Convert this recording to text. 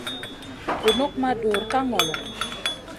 Bunuk ma dura ka ŋolo.